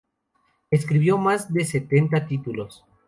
Escribió más de setenta títulos.